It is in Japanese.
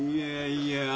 いやいや。